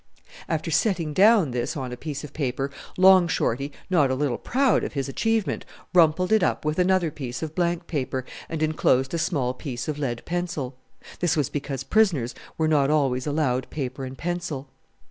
After setting down this on a piece of paper, Long Shorty, not a little proud of his achievement, rumpled it up with another piece of blank paper and enclosed a small piece of lead pencil. This was because prisoners were not always allowed paper and pencil.